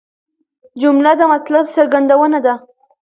جمله د مطلب څرګندونه ده.